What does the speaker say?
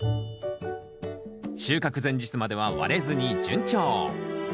収穫前日までは割れずに順調。